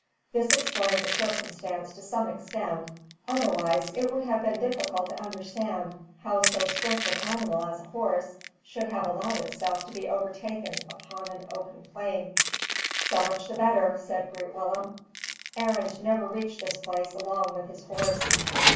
This explained the circumstance to some extent, otherwise it would have been difficult to understand how so swift an animal as a horse should have allowed itself to be overtaken upon an open plain. "So much the better," said Groot Willem. "Arend never reached this place along with his horse."